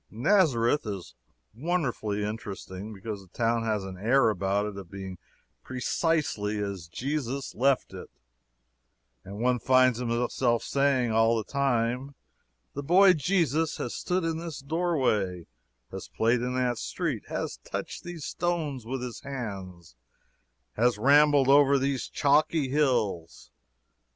Nazareth is wonderfully interesting because the town has an air about it of being precisely as Jesus left it, and one finds himself saying, all the time, "The boy Jesus has stood in this doorway has played in that street has touched these stones with his hands has rambled over these chalky hills."